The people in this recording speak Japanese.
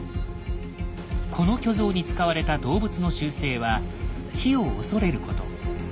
この巨像に使われた動物の習性は火を恐れること。